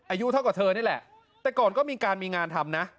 อายุเท่ากับเธอนี่แหละแต่ก่อนก็มีการมีงานทำนะ